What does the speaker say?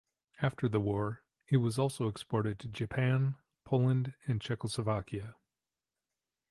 After the war, it was also exported to Japan, Poland and Czechoslovakia.